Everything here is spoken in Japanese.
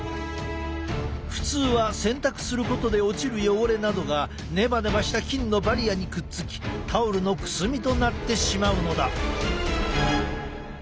普通は洗濯することで落ちる汚れなどがネバネバした菌のバリアにくっつきタオルのくすみとなってしまうのだ。